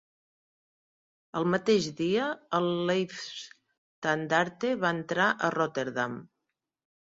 El mateix dia, el "Leibstandarte" va entrar a Rotterdam.